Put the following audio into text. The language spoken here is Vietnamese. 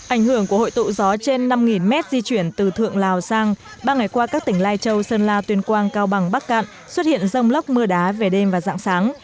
ảnh hưởng của hội tụ gió trên năm mét di chuyển từ thượng lào sang ba ngày qua các tỉnh lai châu sơn la tuyên quang cao bằng bắc cạn xuất hiện rông lóc mưa đá về đêm và dạng sáng